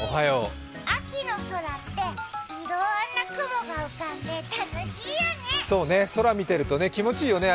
秋の空っていろんな雲が浮かんで楽しいよね。